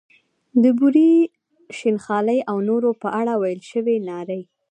د بورې، شین خالۍ او نورو په اړه ویل شوې نارې.